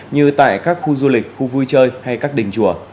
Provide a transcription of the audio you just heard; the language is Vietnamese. như tại các khu du lịch khu vui chơi hay các đình chùa